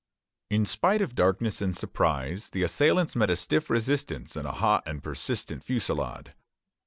In spite of darkness and surprise, the assailants met a stiff resistance and a hot and persistent fusillade.